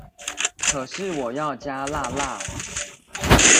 可是我要加辣辣